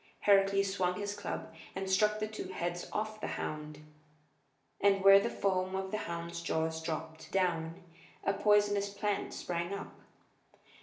Heracles swung his club and struck the two heads off the hound. And where the foam of the hound's jaws dropped down a poisonous plant sprang up.